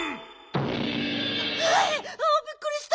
うわびっくりした！